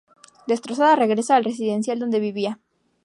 Destrozada, regresa al residencial donde vivía.